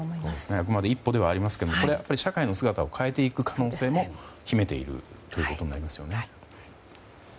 あくまで一歩ではありますが、社会の姿を変えていく可能性も秘めているということなんですよね。